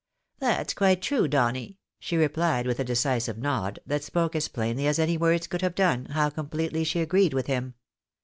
" That's quite true, Donny," she replied, with a decisive nod, that spoke as plainly as any words could have done, how completely she agreed with him.